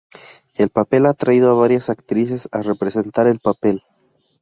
El papel ha atraído a varias actrices a representar el papel.